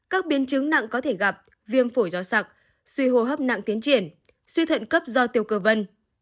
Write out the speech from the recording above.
các biến chứng nặng có thể gặp viêm phổi do sặc suy hô hấp nặng tiến triển suy thận cấp do tiêu cơ vân